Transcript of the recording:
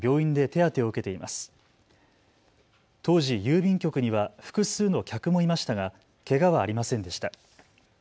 当時、郵便局には複数の客もいましたがけがはありませんでした。